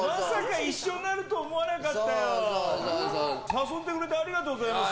誘ってくれてありがとうございます。